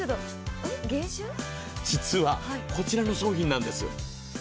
実はこちらの商品なんです。